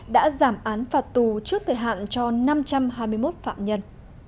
đã giảm án phạt tù trước thời hạn cho năm trăm hai mươi một phạm nhân